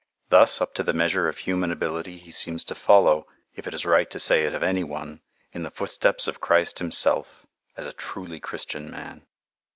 Thus, up to the measure of human ability, he seems to follow, if it is right to say it of any one, in the footsteps of Christ Himself, as a truly Christian man.